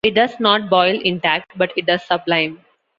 It does not boil intact, but it does sublime.